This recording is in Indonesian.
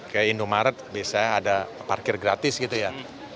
kayak indomaret biasanya ada parkir gratis gitu ya